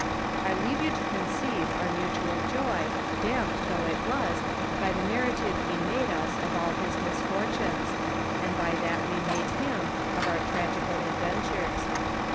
I leave you to conceive our mutual joy, damped, though it was, by the narrative he made us of all his misfortunes, and by that we made him of our tragical ad ventures.